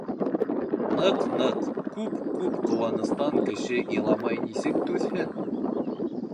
Ныҡ-ныҡ, күп-күп ҡыуаныстан кеше иламай нисек түҙһен?!